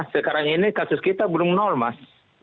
sekarang ini kasus kita belum nol mas